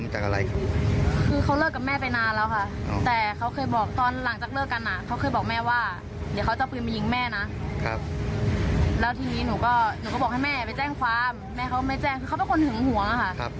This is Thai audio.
แล้วทีนี้หนูก็หนูก็บอกให้แม่ไปแจ้งความแม่เขาไม่แจ้งคือเขาเป็นคนหึงหวงค่ะ